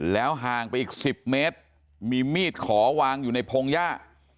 ห่างไปอีก๑๐เมตรมีมีดขอวางอยู่ในพงหญ้า